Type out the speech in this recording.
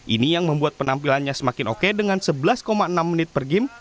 ini yang membuat penampilannya semakin oke dengan sebelas enam menit per game